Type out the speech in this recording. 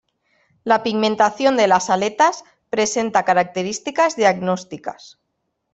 La pigmentación de las aletas presenta características diagnósticas.